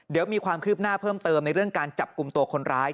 เดี๋ยวมีความคืบหน้าเพิ่มเติมในเรื่องการจับกลุ่มตัวคนร้าย